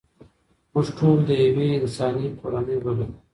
موږ ټول د یوې انساني کورنۍ غړي یو.